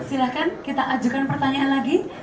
silahkan kita ajukan pertanyaan lagi